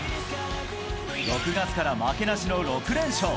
６月から負けなしの６連勝。